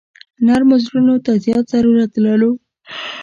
نرمو زړونو ته زیات ضرورت لرو.